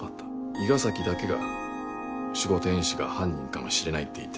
伊賀崎だけが守護天使が犯人かもしれないって言ってたけど。